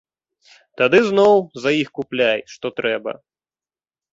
Тады зноў за іх купляй што трэба.